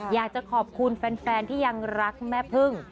อยากจะขอบคุณแฟนที่ยังรักแม่พึ่ง